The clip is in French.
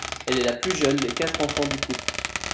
Elle est la plus jeune des quatre enfants du couple.